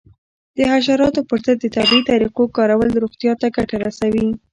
د حشراتو پر ضد د طبیعي طریقو کارول روغتیا ته ګټه رسوي.